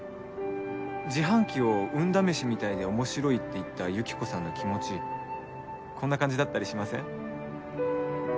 自販機を運試しみたいで面白いって言ったユキコさんの気持ちこんな感じだったりしません？